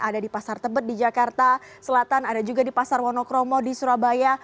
ada di pasar tebet di jakarta selatan ada juga di pasar wonokromo di surabaya